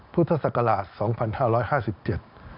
พุทธศักราช